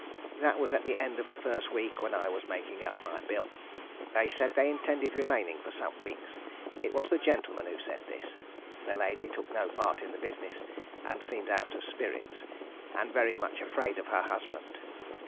That was at the end of the first week when I was making out my bill. They said they intended remaining for some weeks. It was the gentleman who said this. The lady took no part in the business, and seemed out of spirits, and very much afraid of her husband.